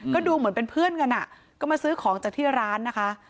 ก็ดูเหมือนเป็นเพื่อนกันอ่ะก็มาซื้อของจากที่ร้านนะคะ